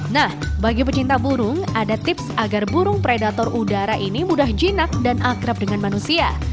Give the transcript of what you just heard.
nah bagi pecinta burung ada tips agar burung predator udara ini mudah jinak dan akrab dengan manusia